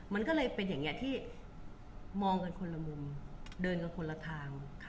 มันก็เลยเป็นอย่างนี้ที่มองกันคนละมุมเดินกันคนละทาง